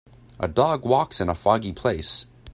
A dog walks in a foggy place.